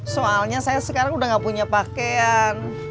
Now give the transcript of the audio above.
soalnya saya sekarang udah gak punya pakaian